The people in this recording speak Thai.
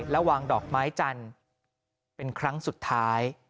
และวางดอกไม้จันทร์เป็นครั้งสุดท้าย